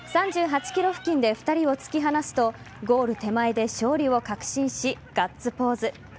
３８ｋｍ付近で２人を突き放すとゴール手前で勝利を確信しガッツポーズ。